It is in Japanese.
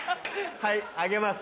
はいあげます。